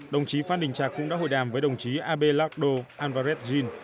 đồng chí phan đình trạc cũng đã hội đàm với đồng chí abelardo alvarez gin